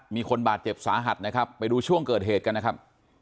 มีคนบาดเจ็บสาหัสนะครับไปดูช่วงเกิดเหตุกันนะครับ